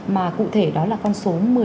mà cụ thể đó là con số một mươi